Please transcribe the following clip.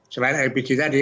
selain lpg tadi